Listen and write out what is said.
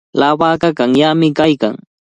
Lawaqa qamyami kaykan.